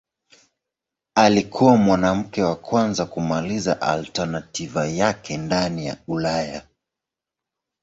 Alikuwa mwanamke wa kwanza kumaliza alternativa yake ndani ya Ulaya.